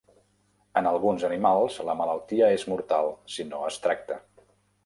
En alguns animals la malaltia és mortal si no es tracta.